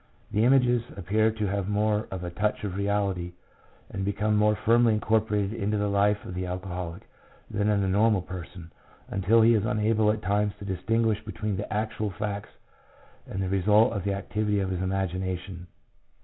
The images appear to have more of a touch of reality and become more firmly incorporated into the life of the alcoholic, than in the normal person, until he is unable at times to distinguish between the actual facts and the result of the activity of his imagination.